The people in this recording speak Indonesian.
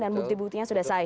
dan bukti buktinya sudah sahi